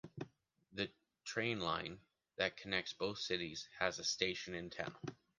The trainline that connects both cities has a station in town.